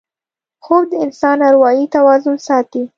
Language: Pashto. خوب د انسان اروايي توازن ساتي